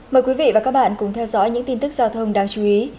mời quý vị và các bạn cùng theo dõi những tin tức giao thông đáng chú ý